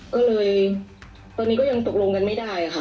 ก็เลยตอนนี้ก็ยังตกลงกันไม่ได้ค่ะ